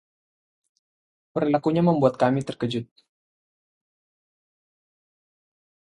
Perilakunya membuat kami terkejut.